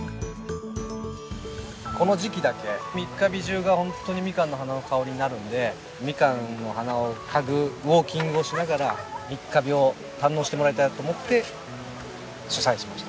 この時期だけ三ヶ日中がホントにみかんの花の香りになるんでみかんの花を嗅ぐウォーキングをしながら三ヶ日を堪能してもらいたいなと思って主催しました。